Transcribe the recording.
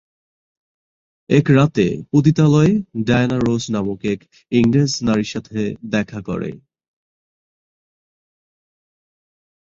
এক রাতে পতিতালয়ে ডায়ানা রোজ নামক এক ইংরেজ নারীর সাথে দেখা করে।